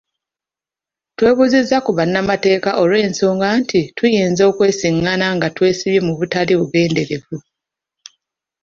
Twebuuzizza ku bannamateeka olw’ensonga nti tuyinza okwesiŋŋaana nga twesibye mu butali bugenderevu.